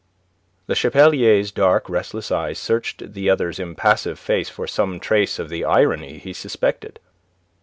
Le Chapelier's dark, restless eyes searched the other's impassive face for some trace of the irony he suspected.